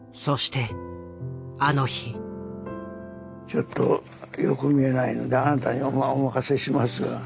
ちょっとよく見えないのであなたにお任せしますが。